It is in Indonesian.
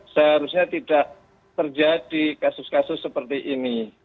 saya harusnya tidak terjadi kasus kasus seperti ini